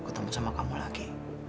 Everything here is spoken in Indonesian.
ketemu sama kamu lagi